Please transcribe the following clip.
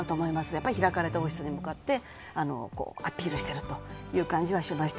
やっぱり開かれた王室に向かってアピールしているという感じはしました。